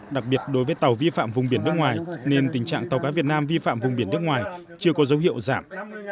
đặc biệt đối với tàu vi phạm vùng biển nước ngoài nên tình trạng tàu cá việt nam vi phạm vùng biển nước ngoài chưa có dấu hiệu giảm